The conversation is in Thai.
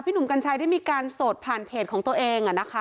หนุ่มกัญชัยได้มีการโสดผ่านเพจของตัวเอง